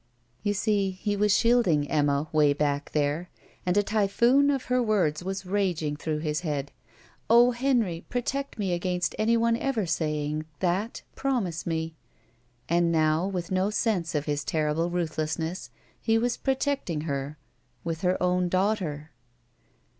You see, he was shielding Emma way back there, and a typhoon of her words was raging through his head: "Oh, Henry, protect me against anyone ever saying — ^that . Promise me. '' And now, with no sense of his terrible ruthlessness, he was protecting her with her own daughter.